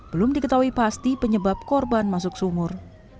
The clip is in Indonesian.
belum diketahui pasti penyebab korban masuk sumur